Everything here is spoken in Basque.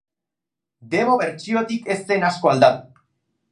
Demo bertsiotik ez zen asko aldatu.